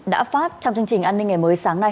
đã phát trong chương trình an ninh ngày mới sáng nay